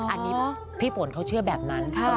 อันนี้พี่ฝนเขาเชื่อแบบนั้น